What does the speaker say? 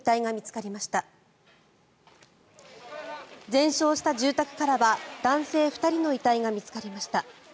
全焼した住宅からは、男性２人の遺体が見つかりました。